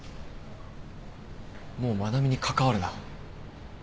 もう愛菜美に関わるな。